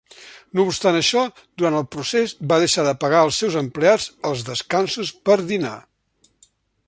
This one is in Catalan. No obstant això, durant el procés va deixar de pagar als seus empleats els descansos per dinar.